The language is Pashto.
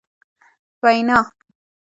وینا ...